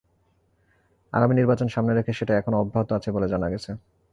আগামী নির্বাচন সামনে রেখে সেটা এখনো অব্যাহত আছে বলে জানা গেছে।